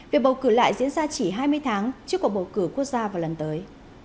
việc bầu cử lại diễn ra chỉ hai mươi tháng trước cuộc bầu cử quốc gia vào lần tới